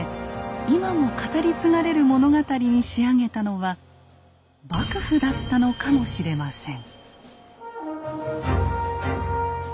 今も語り継がれる物語に仕上げたのは幕府だったのかもしれません。